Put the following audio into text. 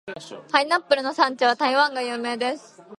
パイナップルの産地は台湾が有名です。